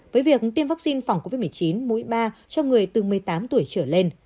với việc tiêm vaccine phòng covid một mươi chín mũi ba cho người từ một mươi tám tuổi trở lên